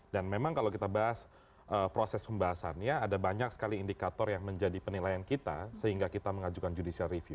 dan memang kalau kita bahas proses pembahasannya ada banyak sekali indikator yang menjadi penilaian kita sehingga kita mengajukan judicial review